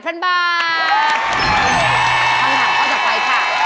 คำถามเข้าทางต่อไปค่ะ